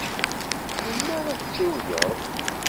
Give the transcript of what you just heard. Melmi ara tsiwleḍ?